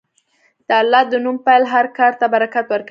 د الله د نوم پیل هر کار ته برکت ورکوي.